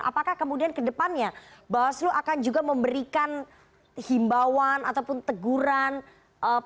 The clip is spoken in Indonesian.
apakah kemudian kedepannya bawaslu akan juga memberikan himbauan ataupun teguran pemberitahuan ke pak anies